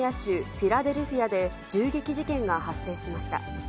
フィラデルフィアで銃撃事件が発生しました。